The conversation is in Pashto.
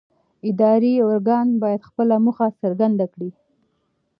اداري ارګان باید خپله موخه څرګنده کړي.